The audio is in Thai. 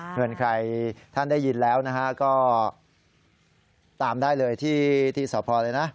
เงินใครท่านได้ยินแล้วนะฮะก็ตามได้เลยที่สพเลยนะ